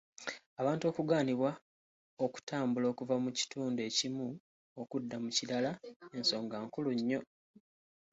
Abantu okugaanibwa okutambula okuva mu kitundu ekimu okudda mu kirala ensonga nkulu nnyo